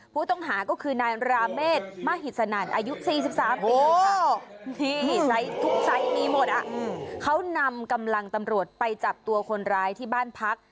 นี่ทุกไซส์มีหมดอะเขานำกำลังตำรวจไปจับตัวคนรายที่บ้านพัก